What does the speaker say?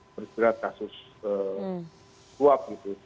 bercerita kasus uap gitu